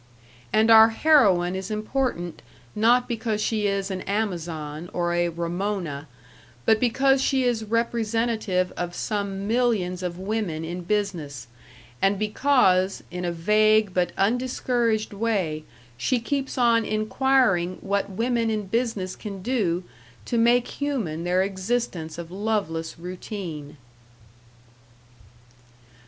And our heroine is important not because she is an Amazon or a Ramona, but because she is representative of some millions of women in business, and because, in a vague but undiscouraged way, she keeps on inquiring what women in business can do to make human their existence of loveless routine.